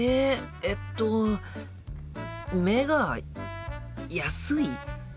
えっと目が安い？